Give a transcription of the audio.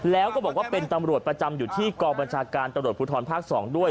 แล้วก็บอกว่าเป็นตำรวจประจำอยู่ที่กองบัญชาการตำรวจภูทรภาค๒ด้วย